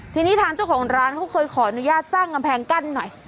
ทีนี้ทางเจ้าของร้านเขาเคยขออนุญาตสร้างกำแพงกั้นหน่อย